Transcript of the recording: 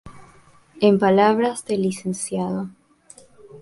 En palabras del Lic.